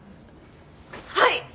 はい！